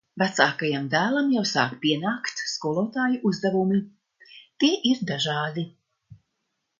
Vecākajam dēlam jau sāk pienākt skolotāju uzdevumi. Tie ir dažādi.